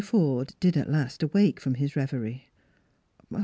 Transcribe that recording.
Forde did at last awake from his reverie.